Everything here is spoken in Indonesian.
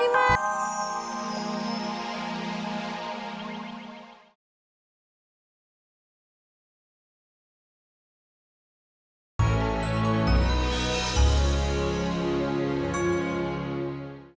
ibutan bang diman